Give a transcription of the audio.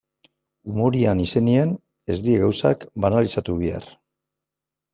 Umorearen izenean ez dira gauzak banalizatu behar.